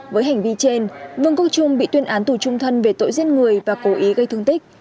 với hành vi trên vương quốc trung bị tuyên án tù trung thân về tội giết người và cố ý gây thương tích